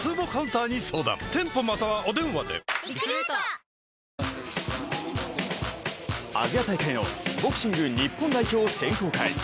東京海上日動アジア大会のボクシング日本代表選考会。